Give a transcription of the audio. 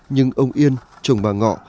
nhưng ông yên chồng bà ngọ